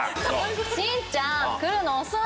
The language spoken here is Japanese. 晋ちゃん来るの遅いよ！